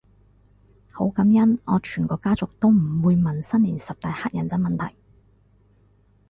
好感恩我全個家族都唔會問新年十大乞人憎問題